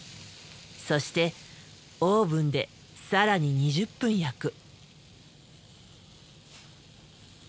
そしてオーブンで更に２０分焼く。